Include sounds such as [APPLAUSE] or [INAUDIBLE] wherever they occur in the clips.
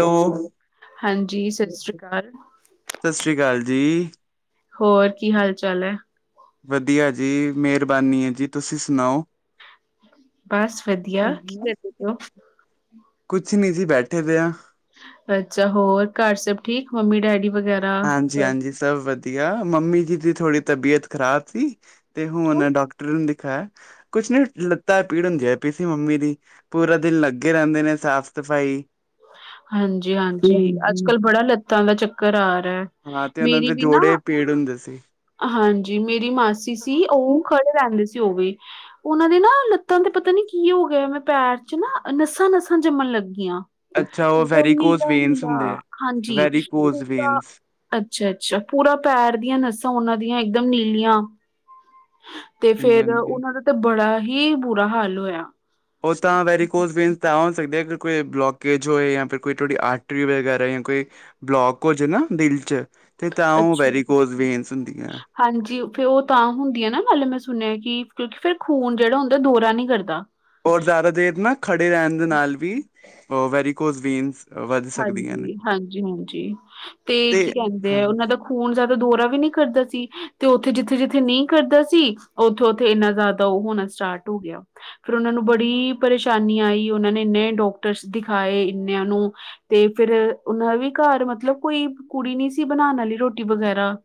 Hello ਹਾਂਜੀ, ਸਤਿ ਸ੍ਰੀ ਅਕਾਲ। ਸਤਿ ਸ਼੍ਰੀ ਅਕਾਲ ਜੀ। ਹੋਰ, ਕੀ ਹਾਲ-ਚਾਲ ਐ। ਵਧੀਆ ਜੀ, ਮਿਹਰਬਾਨੀ ਏ ਜੀ, ਤੁਸੀਂ ਸੁਣਾਓ? ਬਸ ਵਧੀਆ, ਕੀ ਕਰਦੇ ਪਏ ਓ? ਕੁਛ ਨਹੀਂ ਜੀ, ਬੈਠੇ ਪੇ ਆਂ। ਅੱਛਾ, ਹੋਰ ਘਰ ਸਭ ਠੀਕ ਮੰਮੀ-ਡੈਡੀ ਵਗੈਰਾ? ਹਾਂਜੀ-ਹਾਂਜੀ, ਸਭ ਵਧੀਆ, ਮੰਮੀ ਜੀ ਦੀ ਥੋੜ੍ਹੀ ਤਬੀਅਤ ਖ਼ਰਾਬ ਸੀ ਤੇ ਹੁਣ ਡਾਕਟਰ ਨੂੰ ਦਿਖਾ, ਕੁਛ ਨੀ ਲੱਤਾਂ ਪੀੜ ਹੁੰਦੀਆ ਸੀ ਮੰਮੀ ਦੀ, ਪੂਰਾ ਦਿਨ ਲੱਗੇ ਰਹਿੰਦੇ ਨੇ ਸਾਫ਼-ਸਫ਼ਾਈ ਹਾਂਜੀ-ਹਾਂਜੀ, ਅੱਜ-ਕਲ ਬੜਾ ਲੱਤਾਂ ਦਾ ਚੱਕਰ ਆ ਰਾ। ਹਾਂ, ਤੇ ਉਹਨਾਂ ਦੇ ਜੋੜੇ ਪੀੜ ਹੁੰਦੇ ਸੀ। ਹਾਂਜੀ, ਮੇਰੀ ਮਾਸੀ ਸੀ ਉਹ ਖੜੇ ਰਹਿੰਦੇ ਸੀ ਉਹ ਵੀ। ਉਹਨਾਂ ਦੇ ਨਾ ਲੱਤਾਂ ਤੇ ਪਤਾ ਨੀ ਕੀ ਹੋਗਿਆ, ਮੈਂ ਪੈਰ'ਚ ਨਾ ਨਸਾਂ-ਨਸਾਂ ਜੰਮਣ ਲੱਗੀਆਂ। ਅੱਛਾ ਉਹ ਇੱਕਦਮ ਵੈਰੀਕੋਸ ਵੇਨਸ ਹੁੰਦੇ ਨੀਲਾ-ਨੀਲਾ, ਹੈ ਹਾਂਜੀ ਵੈਰੀਕੋਸ ਵੇਨਸ ਅੱਛਾ-ਅੱਛਾ, ਪੂਰਾ ਪੈਰ ਦੀਆਂ ਨਸਾਂ ਉਹਨਾਂ ਦੀਆਂ ਇਕਦਮ ਨੀਲੀਆਂ ਤੇ ਹਾਂਜੀ ਫੇਰ, ਹਾਂਜੀ ਉਹਨਾਂ ਦਾ ਤੇ ਬੜਾ ਹੀ ਬੁਰਾ ਹਾਲ ਹੋਇਆ। ਓ ਤਾਂ, ਵੈਰੀ ਕੋਸ ਵੇਨ ਤਾਂ ਹੋ ਸਕਦਾ ਕਿ ਕੋਈ ਬਲੌਕੇਜ ਹੋਏ, ਜਾਂ ਫਿਰ ਕੋਈ ਤੁਹਾਡੀ ਆਰਟਰੀ ਵਗੈਰਾ ਯਾਂ ਕੋਈ ਬਲੌਕ ਹੋ ਜੋਨਾ ਦਿਲ 'ਚ, ਤੇ ਤਾਂ ਉਹ ਅੱਛਾ। ਵੈਰੀਕੋਸ ਵੇਨਸ ਹੁੰਦੀਆਂ। ਹਾਂਜੀ, ਫੇਰ ਉਹ ਤਾਂ ਹੁੰਦੀਆਂ ਨਾ ਮਤਲਬ ਮੈਂ ਸੁਣਿਆ, ਕਿ ਕਿਉਂਕਿ ਫਿਰ ਖੂਨ ਜਿਹੜਾ ਹੁੰਦਾ ਦੋਰਾ ਨਹੀਂ ਕਰਦਾ। ਬੋਤ ਜ਼ਿਆਦਾ ਦੇਰ ਨਾ ਖੜੇ ਰਹਿਣ ਦੇ ਨਾਲ ਵੀ, ਉਹ ਵੈਰੀਕੋਸ ਵੇਨਸ ਵੱਧ ਸਕਦੀਆਂ ਨੇ। ਹਾਂਜੀ-ਹਾਂਜੀ, ਹਾਂਜੀ, ਤੇ ਕੀ ਕਹਿੰਦੇ ਆ ਉਹਨਾਂ ਦਾ ਖੂਨ ਜ਼ਿਆਦਾ ਦੌਰਾ ਵੀ ਨਹੀਂ ਕਰਦਾ ਸੀ, ਤੇ ਉੱਥੇ ਜਿੱਥੇ-ਜਿੱਥੇ ਨਹੀਂ ਕਰਦਾ ਸੀ, ਉੱਥੇ-ਉੱਥੇ ਇੰਨਾ ਜ਼ਿਆਦਾ ਉਹ ਹੋਣਾ ਸਟਾਰਟ ਹੋਗਿਆ। ਫਿਰ ਉਹਨਾਂ ਨੂੰ ਬੜੀ ਪਰੇਸ਼ਾਨੀ ਆਈ, ਉਹਨਾਂ ਨੇ ਇੰਨੇ ਡਾਕਟਰਸ ਦਿਖਾਏ ਇੰਨਿਆਂ ਨੂੰ ਤੇ ਫੇਰ, ਉਹਨਾਂ ਵੀ ਘਰ ਮਤਲਬ ਕੋਈ ਕੁੜੀ ਨੀ ਸੀ ਬਣਾਣ ਵਾਲੀ ਰੋਟੀ ਵਗੈਰਾ।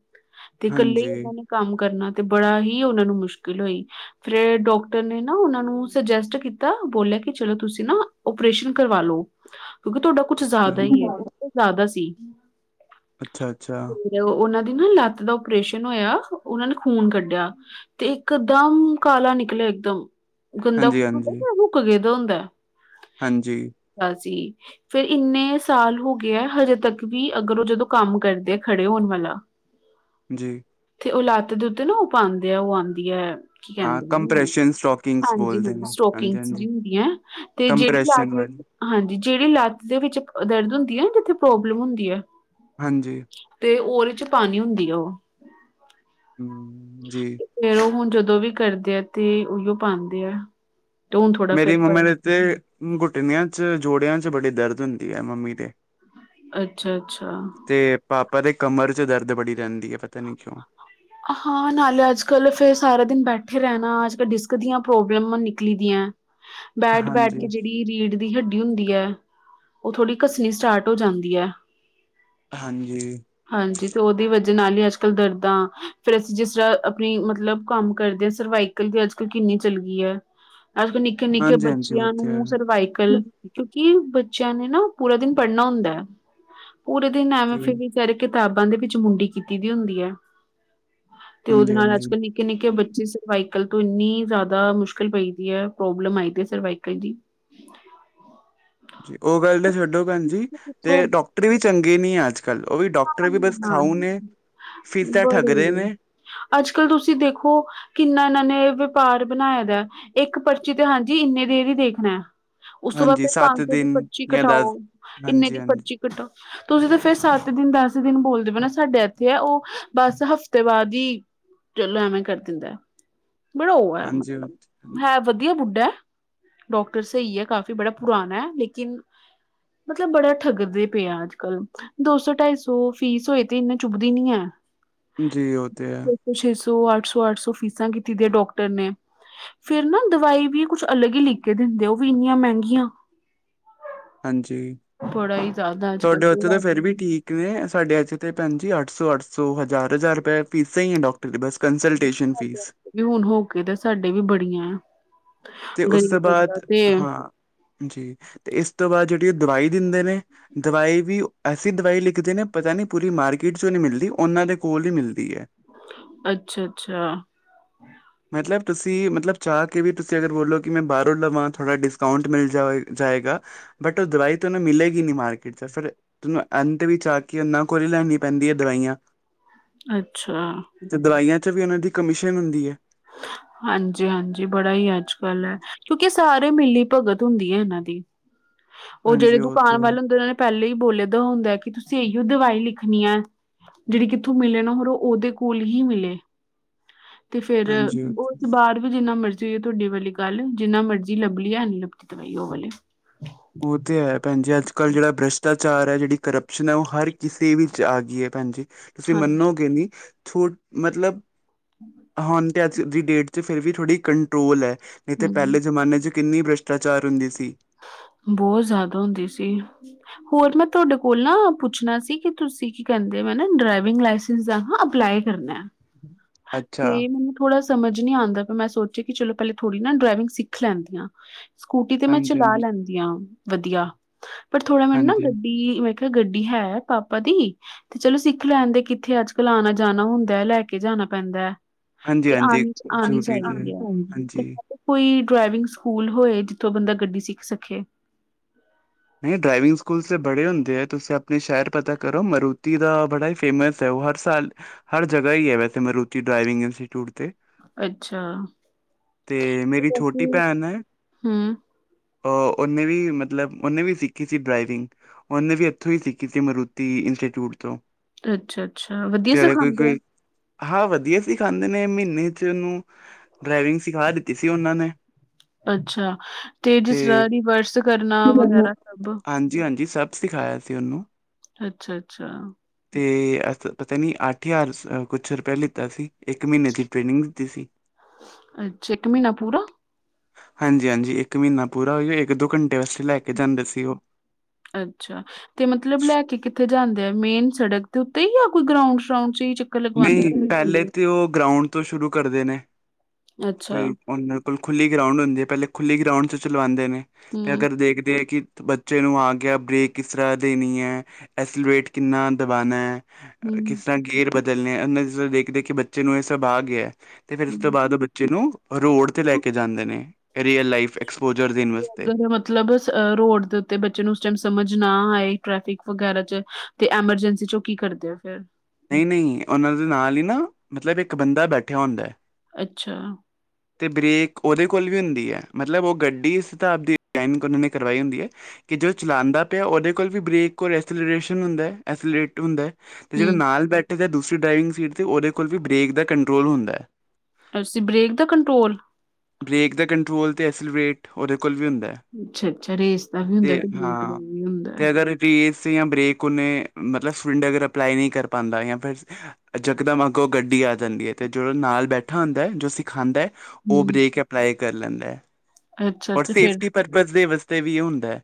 ਤੇ ਇਕੱਲੇ ਹਾਂਜੀ ਉਹਨਾਂ ਨੇ ਕੰਮ ਕਰਨਾ, ਤੇ ਬੜਾ ਹੀ ਉਹਨਾ ਨੂੰ ਮੁਸ਼ਕਿਲ ਹੋਈ। ਫਿਰ ਡਾਕਟਰ ਨੇ ਨਾ ਉਹਨਾਂ ਨੂੰ, ਸੁਜੈਸਟ ਕੀਤਾ ਬੋਲੇ ਕਿ ਚਲੋ ਤੁਸੀਂ ਨਾ ਓਪਰੇਸ਼ਨ ਕਰਵਾਲੋ, ਕਿਉਂਕਿ ਤੁਹਾਡਾ ਕੁਛ ਜ਼ਿਆਦਾ ਹੀ ਹੈ, ਉਹ ਜ਼ਿਆਦਾ ਸੀ ਅੱਛਾ-ਅੱਛਾ। ਤੇ ਉਹਨਾਂ ਦੀ ਨਾ ਲੱਤ ਦਾ ਓਪਰੇਸ਼ਨ ਹੋਇਆ, ਉਹਨਾਂ ਨੇ ਖੂਨ ਕੱਢਿਆ। ਤੇ ਇਕਦਮ ਕਾਲਾ ਨਿਕਲਿਆ, ਇੱਕਦਮ। ਗੰਦਾ ਹਾਂਜੀ ਖੁਨ ਹੁੰਦਾ, ਹਾਂਜੀ ਜਿਹੜਾ ਰੁੱਕ ਗੇਦਾ ਹੁੰਦਾ। ਹਾਂਜੀ। ਗਾ ਸੀ ਫਿਰ ਇੰਨੇ ਸਾਲ ਹੋ ਗਏ ਆਂ, ਹਜੇ ਤੱਕ ਵੀ ਅਗਰ ਉਹ ਜਦੋਂ ਕੰਮ ਕਰਦੇ ਆ ਖੜੇ ਹੋਣ ਵਾਲਾ। ਹਮ [INAUDIBLE] ਜੀ। ਤੇ ਉਹ ਲੱਤ ਦੇ ਉੱਤੇ ਨਾ ਉਹ ਪਾਂਦੇ ਆ, ਉਹ ਆਂਦੀ ਐ ਕੀ ਹਾਂ ਕਹਿੰਦੇ ਨੇ, ਕੰਪ੍ਰੈਸ਼ਨ ਸਟੋਕਿੰਗਸ ਬੋਲਦੇ ਹਾਂਜੀ-ਹਾਂਜੀ, ਨੇ ਹਾਂਜੀ ਸਟੋਕਿੰਗਸ ਹਾਂਜੀ ਜੀ ਹੁੰਦੀਆ, ਤੇ ਜਿਹੜੀ ਲ ਕੰਪ੍ਰੈਸ਼ਨ ਵਾਲੀ ਹਾਂਜੀ, ਜਿਹੜੀ ਲੱਤ ਦੇ ਵਿੱਚ ਦਰਦ ਹੁੰਦੀ ਆ ਨ ਜਿੱਥੇ ਪ੍ਰੋਬਲਮ ਹੁੰਦੀ ਆ। ਹਾਂਜੀ। ਤੇ ਉਹਦੇ'ਚ ਪਾਣੀ ਹੁੰਦੀ ਆ, ਉਹ। ਜੀ। ਫੇਰ ਉਹ ਹੁਣ ਜਦੋਂ ਵੀ ਕਰਦੇ ਆ ਤੇ ਉਹਨੂੰ ਪਾਉਂਦੇ ਆ ਤੇ ਹੁਣ ਥੋੜਾ ਫੇਰ ਮੇਰੀ ਮੰਮਾ ਫਰਕ ਦੇ ਤੇ ਪਿਆ ਘੁਟਨਿਆਂ 'ਚ ਜੋੜਿਆਂ 'ਚ ਬੜੀ ਦਰਦ ਹੁੰਦੀ ਹੈ ਮੰਮੀ ਤੇ ਅੱਛਾ ਅੱਛਾ ਤੇ ਪਾਪਾ ਦੇ ਕਮਰ 'ਚ ਦਰਦ ਬੜੀ ਰਹਿੰਦੀ ਹੈ ਪਤਾ ਨੀ ਕਿਉਂ ਹਾਂ ਨਾਲੇ ਅੱਜ ਕੱਲ੍ਹ ਫੇਰ ਸਾਰਾ ਦਿਨ ਬੈਠੇ ਰਹਿਣਾ ਅੱਜ ਕੱਲ ਡਿਸਕ ਦੀਆਂ ਪ੍ਰੋਬਲਮ ਨਿਕਲੀ ਦੀਆਂ ਬੈਠ ਬੈਠ ਹਾਂਜੀ। ਕੇ ਜਿਹੜੀ ਰੀੜ ਦੀ ਹੱਡੀ ਹੁੰਦੀ ਹੈ ਉਹ ਥੋੜ੍ਹੀ ਘੱਸਣੀ ਸਟਾਰਟ ਹੋ ਜਾਂਦੀ ਹੈ ਹਾਂਜੀ ਹਾਂਜੀ ਤੇ ਉਹਦੀ ਵਜ੍ਹਾ ਨਾਲ ਹੀ ਅੱਜ ਕੱਲ੍ਹ ਦਰਦਾਂ ਫੇਰ ਅਸੀਂ ਜਿਸ ਤਰ੍ਹਾਂ ਆਪਣੀ ਮਤਲਬ ਕੰਮ ਕਰਦੇ ਹਾਂ ਸਰਵਾਈਕਲ ਦੀ ਅੱਜ ਕੱਲ੍ਹ ਕਿੰਨੀ ਚੱਲ ਗਈ ਹੈ ਅਜ ਨਿੱਕੇ ਨਿੱਕੇ ਹਾਂਜੀ-ਹਾਂਜੀ ਉਹ ਬੱਚਿਆਂ ਤੇ ਹੈ ਨੂੰ ਸਰਵਾਈਕਲ ਕਿ ਬੱਚਿਆਂ ਨੇ ਨਾ ਪੂਰਾ ਦਿਨ ਪੜ੍ਹਨਾ ਹੁੰਦਾ ਹੈ ਪੂਰੇ ਦਿਨ ਐਮੇ ਜੀ ਫਰੀ ਇਸ ਕਰਕੇ ਕਿਤਾਬਾਂ ਦੇ ਵਿੱਚ ਮੁੰਡੀ ਕੀਤੀ ਦੀ ਹੁੰਦੀ ਹੈ ਤੇ ਉਹਦੇ ਨਾਲ ਅੱਜ ਹਾਂਜੀ-ਹਾਂਜੀ। ਕੱਲ੍ਹ ਨਿੱਕੇ ਨਿੱਕੇ ਬੱਚੇ ਸੇ ਸਰਵਾਈਕਲ ਤੋਂ ਇੰਨੀ ਜ਼ਿਆਦਾ ਮੁਸ਼ਕਿਲ ਪਈਦੀ ਹੈ ਪ੍ਰੋਬਲਮ ਆਈ ਸਰਵਾਈਕਲ ਦੀ [INAUDIBLE] ਜੀ ਉਹ ਗੱਲ ਤੇ ਛੱਡੋ ਭੈਣਜੀ ਸੋ ਤੇ ਡਾਕਟਰੀ ਵੀ ਚੰਗੇ ਨੀ ਆ ਅੱਜ ਕੱਲ ਓ ਵੀ ਡਾਕਟਰ ਵੀ ਬਸ ਹਾਂ, ਖਾਊ ਨੇ ਫੀਸਾਂ ਠੱਗ ਰਹੇ ਬੜੇ ਨੇ ਅੱਜ ਕੱਲ ਤੁਸੀਂ ਦੇਖੋ ਕਿੰਨਾ ਇਹਨਾਂ ਨੇ ਵਪਾਰ ਬਣਾਇਆ ਵਾ ਇੱਕ ਪਰਚੀ ਤੇ ਹਾਂਜੀ ਇੰਨੀ ਦੇਰ ਹੀ ਦੇਖਣਾ ਹੈ ਉਸ ਤੋਂ ਬਾਅਦ ਹਾਂਜੀ ਫੇਰ ਸੱਤ ਪੰਜ ਸੌ ਦੀ ਦਿਨ ਪਰਚੀ ਜਾਂ ਦਸ ਕਟਾਓ ਇੰਨੇ ਦੀ ਹਾਂਜੀ-ਹਾਂਜੀ, ਪਰਚੀ ਕੱਢੋ ਤੁਸੀਂ ਤਾਂ ਫੇਰ ਸੱਤ ਦਿਨ ਦਸ ਦਿਨ ਬੋਲਦੇ ਪਏ ਨਾ ਸਾਡੇ ਇੱਥੇ ਆ ਉਹ ਬਸ ਹਫ਼ਤੇ ਬਾਅਦ ਹੀ ਚਲੋ ਐਵੇਂ ਕਰ ਦਿੰਦਾ ਬੜਾ ਉਹ ਹੈ ਹਾਂਜੀ ਮਤਲਬ ਹਾਂਜੀ ਹੈ ਵਧੀਆ ਬੁੱਢਾ ਡਾਕਟਰ ਸਈ ਹੈ ਕਾਫੀ ਬੜਾ ਪੁਰਾਣਾ ਹੈ ਲੇਕਿਨ ਮਤਲਬ ਬੜਾ ਠੱਗਦੇ ਪਏ ਐ ਅੱਜ ਕੱਲ੍ਹ ਦੋ ਸੌ ਢਾਈ ਸੌ ਫੀਸ ਹੋਏ ਤੇ ਇੰਨੀ ਚੁੱਭਦੀ ਨੀ ਹੈ ਜੀ ਓ ਤੇ ਹੈ। ਛੇ ਛੇ ਸੌ, ਅੱਠ ਸੌ, ਅੱਠ ਸੌ, ਫੀਸਾਂ ਕੀਤੀ ਦੀਆਂ ਡੋਕਟਰ ਨੇ। ਫਿਰ ਨਾ ਦਵਾਈ ਵੀ ਕੁਛ ਅਲੱਗ ਈ ਲਿਖ ਕੇ ਦਿੰਦੇ। ਓ ਵੀ ਇੰਨੀਆਂ ਮੈਗੀਆਂ। ਹਾਂਜੀ ਬੜਾ ਹੀ ਜ਼ਿਆਦਾ ਅੱਜ ਕੱਲ ਤੁਆਡੇ ਓਥੇ ਤਾਂ ਫਿਰ ਵੀ ਤੇ ਠੀਕ- ਕਿਵੇਂ ਸਾਡੇ ਏਥੇ ਤੇ ਭੈਣ ਜੀ ਅੱਠ ਸੌ -ਅੱਠ ਸੌ, ਹਜ਼ਾਰ -ਹਜ਼ਾਰ ਰੁਪਏ ਫੀਸਾਂ ਈ ਏ ਡਾਕਟਰ ਦੀ ਬਸ। Consultation fee. ਵੀ ਹੁਣ ਹੋਕੇ ਤੇ ਸਾਡੇ ਵੀ ਬੜੀਆਂ ਤੇ ਉਸ ਗ਼ਰੀਬ ਤੋਂ ਬੰਦਾ ਬਾਦ- ਤੇ ਹਾਂ -ਜੀ ਤੇ ਇਸ ਤੋਂ ਬਾਦ ਜੇੜੀ ਉਹ ਦਵਾਈ ਦਿੰਦੇ ਨੇ। ਦਵਾਈ ਵੀ ਐਸੀ ਦਵਾਈ ਲਿਖਦੇ ਨੇ ਪਤਾ ਨੀ ਪੂਰੀ ਮਾਰਕੀਟ 'ਚੋਂ ਨੀ ਮਿਲਦੀ। ਓਨਾਂ ਦੇ ਕੋਲ ਈ ਮਿਲਦੀ ਐ। ਅੱਛਾ- ਅੱਛਾ- ਅੱਛਾ ਮਤਲਬ ਤੁਸੀਂ ਮਤਲਬ ਚਾਹ ਕੇ ਵੀ ਤੁਸੀਂ ਅਗਰ ਬੋਲੋ ਕੀ ਮੈਂ ਬਾਰੋਂ ਲਵਾਂ, ਥੋੜ੍ਹਾ ਡਿਸਕਾਊਂਟ ਮਿਲ ਜਾਵੇ ਜਾਏਗਾ। ਬਟ ਓ ਦਵਾਈ ਤੁਹਾਨੂੰ ਮਿਲੇਗੀ ਨੀ ਮਾਰਕੀਟ 'ਚ। ਫਿਰ- ਤਾਨੂੰ ਅੰਤ ਵਿਚ ਆ ਕੇ ਓਹਨਾਂ ਕੋਲ ਈ ਲੈਣੀ ਪੈਂਦੀਆਂ ਦਵਾਈਆਂ। ਅੱਛਾ ਤੇ ਦਵਾਈਆਂ 'ਚ ਵੀ ਓਨਾਂ ਦੀ ਕਮਿਸ਼ਨ ਹੁੰਦੀ ਹੈ। ਹਾਂਜੀ ਹਾਂਜੀ ਬੜਾ ਈ ਅੱਜ ਕੱਲ ਐ। ਕਿਉਂਕਿ ਸਾਰੇ ਮਿਲੀ ਭਗਤ ਹੁੰਦੀ ਐ ਏਨਾਂ ਦੀ। ਓ ਜਿਹੜੇ ਹਾਂਜੀ ਉਹ ਦੁਕਾਨ ਤੇ ਹੈ ਵਾਲੇ ਹੁੰਦੇ ਨੇ। ਪੈਲੇ ਈ ਬੋਲੇ ਦਾ ਹੁੰਦਾ ਕੀ ਤੁਸੀਂ ਇਹੀਓ ਦਵਾਈ ਲਿਖਣੀ ਆ। ਜੇੜੀ ਕਿੱਥੋਂ ਮਿਲੇ ਨਾ, ਹੋਰ ਓ ਓਦੇ ਕੋਲ ਹੀ ਮਿਲੇ, ਤੇ ਫੇਰ- ਹਾਂਜੀ ਉਹ ਤੇ ਪਰ ਵੀ ਜਿੰਨਾ ਮਰਜ਼ੀ ਹੋਏ ਥੋਡੀ ਵਲੀ ਗੱਲ, ਜਿੰਨਾ ਮਰਜ਼ੀ ਲੱਭ ਲੀਏ ਹੈ ਨੀ ਲੱਭਦੀ ਦਵਾਈ ਓ ਵਲੀ। ਓ ਤੇ ਹੈ ਭੈਣਜੀ, ਅੱਜ ਕੱਲ੍ਹ ਜੇੜਾ ਬ੍ਰੈਸ਼- ਭ੍ਰਾਚਾਰ ਐ, ਜੇੜੀ ਕਰਪਸ਼ਨ ਐ, ਓ ਹਰ ਕਿਸੇ ਵਿੱਚ ਆ ਗਈ ਏ ਭੈਣ ਜੀ, ਤੁਸੀਂ ਹਾਂਜੀ ਮੰਨੋਗੇ ਨੀ- ਥੋਡ, ਮਤਲਬ- ਹੁਣ ਤੇ ਅੱਜ ਦੀ ਡੇਟ 'ਚ ਫਿਰ ਵੀ ਥੋੜ੍ਹੀ ਕੰਟਰੋਲ ਐ, ਨਈ ਤੇ ਪੈਲੇ ਹੂੰ ਜ਼ਮਾਨੇ 'ਚ ਕਿੰਨੀ ਭ੍ਰਸ਼ਟਾਚਾਰ ਹੁੰਦੀ ਸੀ। ਬੋ ਜਾਦਾ ਹੁੰਦੀ ਸੀ। ਹੋਰ ਮੈਂ ਤੁਆਡੇ ਕੋਲ ਨਾ ਪੁੱਛਣਾ ਸੀ, ਕੀ ਤੁਸੀਂ ਕੀ ਕੈਂਦੇ ਓ, ਮੈਂ ਨਾ ਡਰਾਈਵਿੰਗ ਲਾਇਸ- ਸੰਸ ਦਾ ਹਾਂ ਅਪਲਾਈ ਕਰਨਾ, ਅੱਛਾ ਤੇ ਮੈ- ਥੋੜਾ ਸਮਝ ਨੀ ਆਂਦਾ, ਮੈਂ ਸੋਚਿਆ ਕੀ ਚਲੋ ਪੈਲੇ ਥੋੜ੍ਹੀ ਨਾ ਡਰਾਈਵਿੰਗ ਸਿੱਖ ਲੈਂਦੀ ਆਂ। ਸਕੂਟੀ ਤੇ ਮੈਂ ਹਾਂਜੀ ਚਲਾ ਹਾਂਜੀ ਲੈਂਦੀ ਆ ਵਧੀਆ, ਪਰ ਥੋੜ੍ਹਾ ਮੈਨੂੰ ਨਾ ਹਾਂਜੀ ਗੱਡੀ- ਕਿਆ ਗੱਡੀ ਹੈ, ਪਾਪਾ ਦੀ ਤੇ ਚਲੋ ਸਿੱਖ ਲੈਣਦੇ, ਕਿੱਥੇ ਅੱਜ ਕੱਲ੍ਹ ਆਣਾ ਜਾਣਾ ਹੁੰਦਾ ਐ, ਲੈ ਕੇ ਜਾਣਾ ਪੈਂਦਾ ਐ। ਹਾਂਜੀ ਤੇ ਹਾਂਜੀ ਆਣੀ, ਆਣੀ ਜ਼ਰੂਰੀ ਤੇ ਹੈ ਚਾਈਦੀ ਐ। ਤੇ- ਹਾਂਜੀ ਕੋਈ ਡਰਾਈਵਿੰਗ ਸਕੂਲ ਹੋਏ, ਜਿੱਥੋਂ ਬੰਦਾ ਗੱਡੀ ਸਿੱਖ ਸਕੇ? ਨਈ ਐ ਡਰਾਈਵਿੰਗ ਸਕੂਲ ਤੇ ਬੜੇ ਹੁੰਦੇ ਐ, ਤੁਸੀਂ ਆਪਣੇ ਸੈਅਰ ਪਤਾ ਕਰੋ। ਮਾਰੂਤੀ ਦਾ ਬੜਾ ਈ ਫੇਮਸ- ਤੇ ਓ ਹਰ ਸਾਲ, ਹਰ ਜਗ੍ਹਾ ਈ ਐ ਵੈਸੇ ਮਾਰੂਤੀ ਡਰਾਾਈਵਿੰਗ ਇੰਸਟੀਚਿਊਟ ਤੇ। ਅੱਛਾ। ਤੇ ਮੇਰੀ ਛੋਟੀ ਕਿਉਂਕਿ ਭੈਣ - ਹੂੰ, ਅ ਓਨੇ ਵੀ ਮਤਲਬ- ਓਨੇ ਵੀ ਸਿੱਖੀ ਸੀ ਡਰਾਵਿੰਗ, ਓਨੇ ਵੀ ਏਥੋਂ ਈ ਸਿੱਖੀ ਸੀ ਮਾਰੂਤੀ ਇੰਸਚਿਊਟ ਤੋਂ। ਅੱਛਾ ਅੱਛਾ, ਵਧੀਆ ਤੇ ਉਹਦੇ ਕੋਈ ਸਿਖਾਂਦੇ ਆ? ਕੋਈ ਹਾਂ ਵਧੀਆ ਸੀਖਾਂਦੇ ਨੇ, ਮਹੀਨੇ 'ਚ ਓਨੂੰ- ਡਰਾਈਵਿੰਗ ਸਿਖਾ ਦਿੱਤੀ ਸੀ, ਓਨਾਂ ਨੇ। ਅੱਛਾ, ਤੇ ਜਿਸਰਾ ਰਿਵਰਸ- ਵਿ ਕਰਨਾ, ਵਗੈਰਾ ਸਭ? ਹਾਂਜੀ ਹਾਂਜੀ ਸਭ ਸਿਖਾਇਆ ਸੀ ਓਨੂੰ। ਅੱਛਾ, ਅੱਛਾ। ਤੇ ਅ ਪਤਾ ਨੀ ਅੱਠ ਜ਼ਾਰ ਆ ਕੁਛ ਰੁਪਇਆ ਲਿੱਤਾ ਸੀ, ਇੱਕ ਮੀਨੇ ਦੀ ਟ੍ਰੇਨਿੰਗ ਦਿੱਤੀ ਸੀ। ਅੱਛਾ, ਇੱਕ ਮਹਨਾ ਪੂਰਾ? ਹਾਂਜੀ ਹਾਂਜੀ ਇੱਕ ਮੀਨਾ ਪੂਰਾ, ਈ ਓ ਏ ਇੱਕ ਦੋ ਘੰਟੇ ਵਸਤੇ ਲੈ ਕੇ ਜਾਂਦੇ ਸੀ ਓ। ਅੱਛਾ। ਤੇ ਮਤਲਬ ਲੈ ਕੇ ਕਿੱਥੇ ਜਾਂਦੇ ਆ, ਮੇਨ ਸੜਕ ਦੇ ਉੱਤੇ ਹੀ ਆ ਕੋਈ ਗਰਾਉਂਡ ਸ਼ਰਾਊਂਡ 'ਚ ਹੀ ਲਗਵਾਂਦੇ ਨਹੀਂ, ਪਹਿਲੇ ਤੇ ਉਹ ਗਰਾਉਂਡ ਤੋਂ ਸ਼ੁਰੂ ਕਰਦੇ ਨੇ ਨੇ? ਅੱਛਾ, ਕੋਈ ਉਹਨਾਂ ਕੋਲ ਖੁੱਲੀ ਗਰਾਉਂਡ ਹੁੰਦੀ ਹੈ, ਪਹਿਲੇ ਖੁੱਲੀ ਗਰਾਉਂਡ 'ਚ ਚਲਉਂਦੇ ਨੇ ਤੇ ਹੂੰ, ਅਗਰ ਦੇਖਦੇ ਆ ਕਿ ਬੱਚੇ ਨੂੰ ਆ ਗਿਆ, ਬਰੇਕ ਕਿਸ ਤਰ੍ਹਾਂ ਦੇਣੀ ਹੈ, ਐਸਲਰੇਟ ਕਿੰਨਾ ਦਬਾਨਉਣਾ ਹੈ ਹੂੰ, ਕਿਸ ਤਰ੍ਹਾਂ ਗੇਅਰ ਬਦਲਣੇ, ਦੇਖ -ਦੇਖ ਬੱਚੇ ਨੂੰ ਇਹ ਸਭ ਆ ਗਿਆ ਅਤੇ ਫਿਰ ਉਸ ਤੋਂ ਹੂੰ। ਬਾਅਦ ਉਹ ਬੱਚੇ ਨੂੰ, ਰੋਡ 'ਤੇ ਲੈ ਕੇ ਜਾਂਦੇ ਨੇ, ਰੀਅਲ ਲਾਈਫ ਐਕਸਪੋਜਰ ਦੇਣ ਵਾਸਤੇ ਤੇ ਅਗਰ ਮਤਲਬ ਅਹ ਰੋਡ ਦੇ ਉੱਤੇ ਬੱਚੇ ਨੂੰ, ਉਸ ਟਾਈਮ ਸਮਝ ਨਾ ਆਏ ਟ੍ਰੈਫਿਕ ਵਗੈਰਾ 'ਚ ਤੇ ਐਮਰਜੈਂਸੀ 'ਚ ਉਹ ਕੀ ਕਰਦੇ ਆ ਫਿਰ? ਨਹੀਂ- ਨਹੀਂ ਉਹਨਾਂ ਦੇ ਨਾਲ ਹੀ ਨਾ, ਮਤਲਬ ਇੱਕ ਬੰਦਾ ਬੈਠਿਆ ਹੁੰਦਾ ਅੱਛਾ। ਅਤੇ ਬਰੇੇਕ ਉਹਦੇ ਕੋਲ ਵੀ ਹੁੰਦੀ ਹੈ, ਮਤਲਬ ਉਹ ਗੱਡੀ ਇਸ ਹਿਸਾਬ ਦੀਨ ਉਹਨਾਂ ਨੇ ਕਰਵਾਈ ਹੁੰਦੀ ਹੈ ਕਿ ਜੋਦੋਂ ਚਲਾਉਂਦਾ ਪਿਆ, ਉਹਦੇ ਕੋਲ ਵੀ ਬਰੇੇਕ ਔਰ ਐਸਲਰੇਸ਼ਨ ਹੁੰਦਾ, ਐਸਲੇਰੇਟ ਹੁੰਦਾ ਅਤੇ ਜਿਹੜੇ ਹੂੰ, ਨਾਲ ਬੈਠੇ ਦਾ ਦੂਸਰੀ ਡਰਾਈਵਿੰਗ ਸੀਟ 'ਤੇ, ਉਹਦੇ ਕੋਲ ਵੀ ਬਰੇੇਕ ਦਾ ਕੰਟਰੋਲ ਹੁੰਦਾ। ਅਸੀਂ ਬ੍ਰੇਕ ਦਾ ਕੰਟਰੋਲ ਬਰੇਕ ਦਾ ਕੰਟਰੋਲ ਤੇ ਅਸਲ ਵੇਟ, ਉਹਦੇ ਕੋਲ ਵੀ ਹੁੰਦਾ ਅੱਛਾ-ਅੱਛਾ ਰੇਸ ਦਾ ਵੀ ਹੁੰਦਾ ਤੇ, ਬ੍ਰੇਕ ਦਾ ਵੀ ਹੁੰਦਾ ਪ੍ਰੇਜ਼ ਜਾਂ ਬਰੇੇਕ ਉਨੇ ਮਤਲਬ, ਸਿਲਿੰਡ ਅਗਰ ਅਪਲਾਈ ਨਹੀਂ, ਕਰ ਪਾਉਦਾ ਜਾਂ ਫਿਰ ਅੱਛਾ ਏਕ ਦਮ ਅਗੋਂ ਗੱਡੀ ਆ ਜਾਂਦੀ ਹੈ, ਅਤੇ ਜੋ ਨਾਲ ਬੈਠਾ ਹੁੰਦਾ ਹੈ, ਜੋ ਸਿਖਾਉਂਦਾ ਹੈ ਉਹ ਹੂੰ। ਬ੍ਰੇਕ ਅਪਲਾਈ ਕਰ ਲੈਂਦਾ ਹੈ, ਔਰ ਅੱਛਾ-ਅੱਛਾ ਫੇਰ ਸੇਫਟੀ ਪਰਪਜ਼ ਦੇ ਵਾਸਤੇ ਵੀ ਇਹ ਹੁੰਦਾ ਹੈ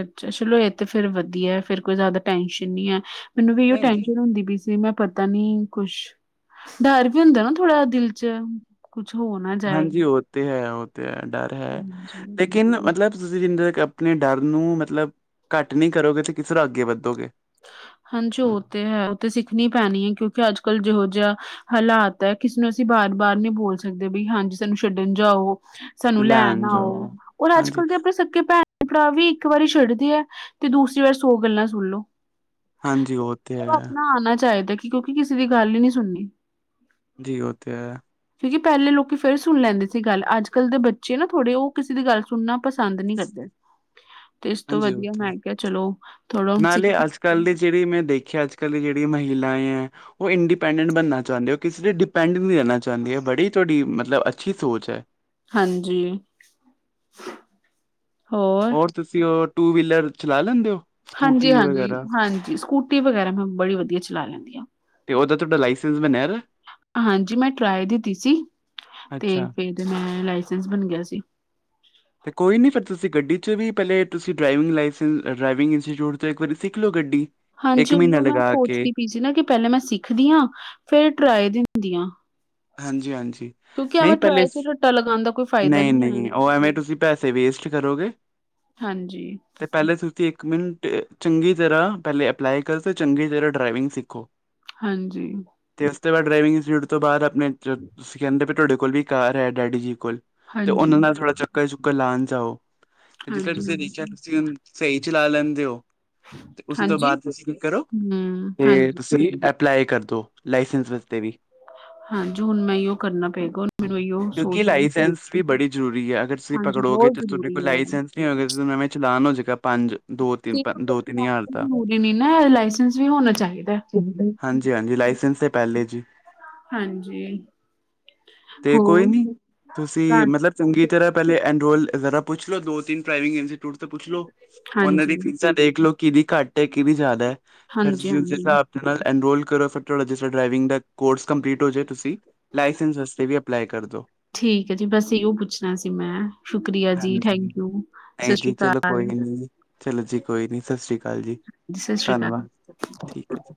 ਅੱਛਾ ਚਲੋ, ਇਹ ਤੇ ਫਿਰ ਵਧੀਆ ਏ, ਫਿਰ ਕੋਈ ਜ਼ਿਆਦਾ ਟੈਨਸ਼ਨ ਨਹੀਂ ਹੈ ਮੈਨੂੰ ਵੀ, ਇਉਹ ਨਹੀਂ ਨਹੀਂ ਟੈਨਸ਼ਨ, ਹੁੰਦੀ ਪਈ ਸੀ ਮੈਂ ਪਤਾ ਨੀ, ਕੁਛ ਡਰ ਵੀ ਹੁੰਦਾ ਨਾ ਥੋੜਾ, ਦਿਲ ਚ ਕੁਛ ਹੋਣ ਹਾਂਜੀ, ਉਹ ਤੇ ਹੈ ਉਹ ਤੇ ਹੈ ਡਰ ਹੈ, ਹਾਂਜੀ। ਲੇਕਿਨ ਮਤਲਬ ਤੁਸੀਂ ਜਿੰਨਾ ਚਿਰ ਆਪਣੇ ਡਰ ਨੂੰ ਮਤਲਬ ਘੱਟ ਨਹੀਂ ਕਰੋਗੇ, ਤੇ ਕਿਸ ਤਰ੍ਹਾਂ ਅੱਗੇ ਵੱਧੋਗੇ ਹਾਂਜੀ, ਉਹ ਤੇ ਹੈ ਉਹ ਤੇ ਸਿੱਖਣੀ ਪੈਣੀ ਹੈ ਕਿਉਂਕਿ, ਅੱਜ -ਕੱਲ੍ਹ ਜਿਹੋ ਜਿਹਾ ਹਾਲਾਤ ਹੈ ਕਿਸਨੂੰ, ਅਸੀਂ ਬਾਰ -ਬਾਰ ਨਹੀਂ ਬੋਲ ਸਕਦੇ ਵੀ ਹਾਂਜੀ, ਸਾਨੂੰ ਛੱਡਣ ਜਾਓ ਸਾਨੂੰ ਲੈਣ ਆਓ, ਜਾਓ ਔਰ ਅੱਜ- ਹਾਂਜੀ ਕੱਲ੍ਹ ਦੇ ਆਪਣੇ ਸਕੇ ਭੈਣ ਭਰਾ ਵੀ ਇੱਕ ਵਾਰੀ ਛੱਡਦੇ ਆ, ਤੇ ਦੂਸਰੀ ਵਾਰ ਸੌ ਗੱਲਾਂ ਸੁਣ ਲੋ ਹਾਂਜੀ ਉਹ ਤੇ ਹੈ ਆਪਣਾ ਆਉਣਾ ਚਾਹੀਦਾ ਕਿਉਂਕਿ, ਕਿਸੇ ਦੀ ਗੱਲ ਹੀ ਨਹੀਂੀ ਸੁਣਨੀ ਜੀ, ਹੋ ਤੇ ਹੈ ਕਿਉਂਕਿ, ਪਹਿਲੇ ਲੋਕੀ ਫੇਰ ਸੁਣ ਲੈਂਦੇ ਸੀ ਗੱਲ, ਅੱਜ- ਕੱਲ੍ਹ ਦੇ ਬੱਚੇ ਨਾ ਥੋੜ੍ਹੇ ਉਹ ਕਿਸੇ ਦੀ, ਗੱਲ ਸੁਣਨਾ ਪਸੰਦ ਨਹੀਂ ਕਰਦੇ ਤੇ ਇਸ ਤੋਂ ਹਾਂਜੀ ਉਹ ਵਧੀਆ ਤੇ ਮੈਂ ਹੈ। ਕਿਹਾ, ਚਲੋ ਥੋੜਾ ਹਣ ਸਿੱਖ ਨਾਲੇ ਅੱਜ ਕੱਲ੍ਹ ਦੀ ਜਿਹੜੀ ਮੈਂ ਦੇਖਿਆ, ਅਜ -ਕੱਲ ਦੀ ਜਿਹੜੀ ਮਹਿਲਾਏ ਹੈਂ ਉਹ ਇੰਡੀਪੈਂਡੈਂਟ ਬਣਨਾ ਚਾਹੁੰਦੇ, ਉਹ ਕਿਸੇ ' ਡਿਪੈਂਡ ਨਹੀਂ ਰਹਿਣਾ ਚਾਹੁੰਦੇ ਹੈ, ਬੜੀ ਤੁਹਾਡੀ ਮਤਲਬ ਅੱਛੀ ਸੋਚ ਹੈ ਹਾਂਜੀ, ਹੋਰ। ਤੁਸੀਂ, ਉਹ ਟੂ ਵੀਲਰ ਚਲਾ ਲੈਂਦੇ ਹੋ? ਹਾਂਜੀ ਸਕੂਟੀ -ਹਾਂਜੀ ਵਗੈਰਾ ਹਾਂਜੀ, ਸਕੂਟੀ ਵਗੈਰਾ ਮੈਂ, ਬੜੀ ਵਧੀਆ ਚਲਾ ਲੈਂਦੀ ਹਾਂ ਤੇ ਉਹਦਾ ਤੁਹਾਡਾ, ਲਾਇਸੈਂਸ ਬਣਿਆ ਦਾ? ਹਾਂਜੀ ਮੈਂ, ਟਰਾਏ ਦਿੱਤੀ ਸੀ ਤੇ, ਅੱਛਾ ਫਿਰ ਮੈਂ ਲਾਇਸੈਂਸ ਬਣ ਗਿਆ ਸੀ ਅਤੇ ਕੋਈ ਨਹੀਂ, ਫਿਰ ਤੁਸੀਂ ਗੱਡੀ 'ਚ ਵੀ ਪਹਿਲੇ ਤੁਸੀਂ ਡਰਾਈਵਿੰਗ ਲਾਇਸੈਂਸ, ਡਰਾਈਵਿੰਗ ਇੰਸਟੀਚਿਊਟ ਤੋਂ ਇੱਕ ਵਾਰੀ, ਸਿੱਖ ਲਓ ਗੱਡੀ ਇੱਕ ਮਹੀਨਾ, ਲਗਾ ਕੇ ਏ ਸੀ ਨਾ ਕਿ, ਪਹਿਲੇਾਂ ਮੈਂ ਸਿੱਖਦੀ ਹਾਂ ਫੇਿਰ, ਟਰਾਏ ਦਿੰਦੀ ਹਾਂ ਹਾਂਜੀ- ਹਾਂਜੀ ਕਿਉਂਕਿ ਨਹੀਂ, ਐਵੇਂ ਪਹਿਲੇ ਟਰਾਏ ਚ ਰੱਟਾ ਲਗਾਉਣ ਦਾ ਕੋਈ ਫਾਇਦਾ ਨਹੀਂ- ਹੈ ਨਹੀਂ ਉਹ ਐਵੇਂ ਤੁਸੀਂ ਪੈਸੇ ਵੇਸਟ ਕਰੋਗੇ ਹਾਂਜੀ। ਅਤੇ ਪਹਿਲੇ ਤੁਸੀਂ ਇੱਕ ਮਿੰਟ, ਚੰਗੀ ਤਰ੍ਹਾਂ ਪਹਿਲੇ ਅਪਲਾਈ ਕਰੋ ਅਤੇ ਚੰਗੀ ਤਰ੍ਹਾਂ ਡਰਾਈਵਿੰਗ ਸਿੱਖੋ ਹਾਂਜੀ। ਤੇ ਉਸ ਤੋਂ ਬਾਅਦ ਡਰਾਈਵਿੰਗ ਇੰਸਟਿਊਟ ਤੋਂ ਬਾਅਦ, ਆਪਣੇ ਤੁਸੀਂ ਕਹਿੰਦੇ ਵੀ, ਤੁਹਾਡੇ ਕੋਲ ਵੀ ਕਾਰ ਹੈ ਡੈਡੀ ਜੀ ਕੋਲ ਤੇ ਹਾਂਜੀ, ਉਹਨਾਂ ਨਾਲ, ਥੋੜ੍ਹਾ ਚੱਕਰ -ਚੁੱਕਰ ਲਾਉਣ ਜਾਓ ਤੇ, ਜਿੱਥੇ ਹਾਂਜੀ, ਹਾਂਜੀ, ਤੁਸੀਂ ਦੇਖਿਆ ਤੁਸੀਂ ਸਹੀ ਚਲਾ ਲੈਂਦੇ ਹੋ ਤੇ, ਉਸ ਤੋਂ ਹਾਂਜੀ, ਬਾਅਦ ਤੁਸੀਂ ਕੀ ਕਰੋ ਹੂੰ, ਤੇ ਹਾਂਜੀ, ਤੁਸੀਂ ਅ ਅਪਲਾਈ ਕਰ ਦਿਉ, ਲਾਇਸੈਂਸ ਵਾਸਤੇ ਵੀ ਹਾਂਜੀ, ਹੁਣ ਮੈਂ ਇਹੀਓ ਕਰਨਾ ਪੈ ਗੋ ਕਿਉਂਕਿ, ਲਾਇਸੈਂਸ ਵੀ ਬੜੀ ਜਰੂਰੀ ਏ, ਅਗਰ ਤੁਸੀਂ ਹਾਂਜੀ ਪਕੜੋਗੇ ਬਹੁਤ ਤਾਂ, ਤੁਹਾਡੇ ਜ਼ਰੂਰੀ ਕੋਲ ਹੈ ਲਾਇਸੈਂਸ ਨਹੀਂ ਹੋਏਗਾ, ਨਵੇਂ ਚਲਾਨ ਹੋ ਜਾ ਪੰਜ ਦੋ ਤਿੰਨ ਪੰ- ਦੋ ਤਿੰਨ ਹਜ਼ਾਰ ਦਾ ਜ਼ਰੂਰੀ ਨੀ ਨਾ, ਲਾਇਸੈਂਸ ਵੀ ਹੋਣਾ ਚਾਹੀਦਾ ਹਾਂਜੀ -ਹਾਂਜੀ ਲਾਇਸੈਂਸ ਤੇ ਪਹਿਲੇ ਜੀ। ਹਾਂਜੀ। ਤੇ ਕੋਈ ਹੋਰ ਨਈ ਤੁਸੀਂ ਘਰ ਮਤਲਬ ਚੰਗੀ ਤਰ੍ਹਾਂ ਪਹਿਲੇ ਐਨਰੋਲ ਜ਼ਰਾ ਪੁੱਛ ਲੋ, ਦੋ-ਤਿੰਨ ਪਰਾਵਿੰਗ ਇੰਸੀਟੂਟ ਤੋਂ ਪੁੱਛ ਲੋ। ਉਨਾਂ ਦੀ ਹਾਂਜੀ, ਫੀਸਾਂ ਦੇਖ ਲਓ ਕਿੰਦੀ ਘੱਟ ਹੈ ਕਿੰਦੀ ਜ਼ਿਆਦਾ ਹੈ ਫੇਰ ਹਾਂਜੀ, ਤੁਸੀਂ ਉਸੀ ਹਾਂਜੀ ਹਿਸਾਬ ਨਾਲ ਐਨਰੋਲ ਕਰੋ ਫਿਰ ਤੁਹਾਡਾ ਜਿਸ ਤਰ ਡਰਾਈਵਿੰਗ ਦਾ ਕੋਰਸ ਕੰਪਲੀਟ ਹੋ ਜਾਵੇ ਤੁਸੀਂ ਲਾਇਸੈਂਸ ਵਾ਼ਸਤੇ ਵੀ ਅਪਲਾਈ ਕਰਦੋ। ਠੀਕ ਹੈ ਜੀ, ਬਸ ਇਹੋ ਪੁੱਛਣਾ ਸੀ ਮੈਂ ਸ਼ੁਕਰੀਆ ਜੀ, ਹਾਂਜੀ ਥੈਂਕ ਯੂ, ਸਤਿ ਨਹੀਂ ਸ਼੍ਰੀ ਜੀ ਚਲੋ ਅਕਾਲ। ਕੋਈ ਨੀ ਚਲੋ ਜੀ, ਕੋਈ ਨੀ ਸਤਿ ਸ੍ਰੀ ਅਕਾਲ ਜੀ, ਸਤਿ ਸ਼੍ਰੀ ਅਕਾਲ ਧੰਨਵਾਦ ਠੀਕ ਹੈ।